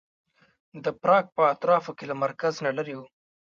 د پراګ په اطرافو کې له مرکز نه لرې و.